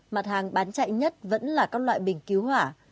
mặt hàng bán chạy nhất vẫn là các loại bình cứu hỏa